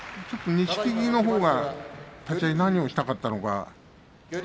ちょっと錦木のほうが立ち合いに何をしたかったのか。